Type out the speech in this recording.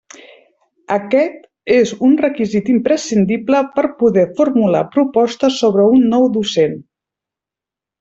Aquest és un requisit imprescindible per poder formular proposta sobre un nou docent.